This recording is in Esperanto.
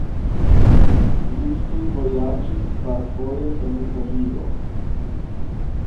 Li studvojaĝis kvarfoje en Italio.